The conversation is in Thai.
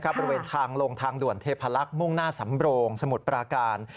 บริเวณทางลงทางด่วนเทพลักษณ์มุ่งหน้าสำโรงสมุทรปราการ